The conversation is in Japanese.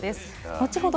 後ほど